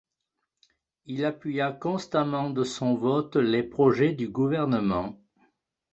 Il appuya constamment de son vote les projets du gouvernement.